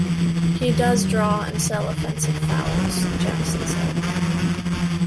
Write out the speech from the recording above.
He does draw and sell offensive fouls, Jackson said.